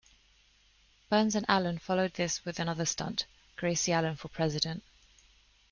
Burns and Allen followed this with another stunt: Gracie Allen for President.